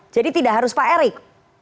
jadi tidak harus pak erik